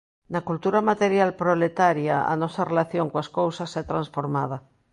Na cultura material proletaria a nosa relación coas cousas é transformada.